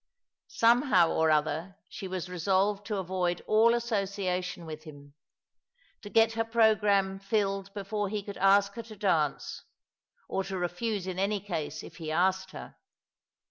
Somehow or other she was resolved to avoid all association with him ; to get her programme filled before he could ask her to dance ; or to refuse in any case if he asked her.